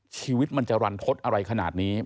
ชีวิตมันจะรันทศอะไรขนาดนี้